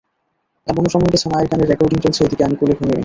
এমনও সময় গেছে মায়ের গানের রেকর্ডিং চলছে, এদিকে আমি কোলে ঘুমিয়ে।